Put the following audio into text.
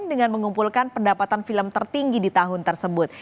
dengan mengumpulkan pendapatan film tertinggi di tahun tersebut